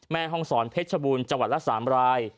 แม่ห้องศรจังหวัดละ๓ราย